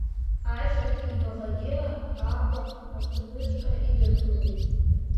Ашьҭахь ибаҟагьы Аҟәа агәҭаныҵәҟьа идыргылеит.